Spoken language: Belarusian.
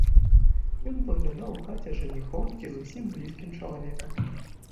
Ён выглядаў у хаце жаніхом ці зусім блізкім чалавекам.